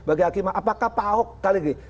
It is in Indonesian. apakah pak ahok kali ini